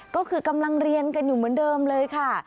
ก็คือกำลังเรียนกันอยู่เหมือนเดิมเลยค่ะ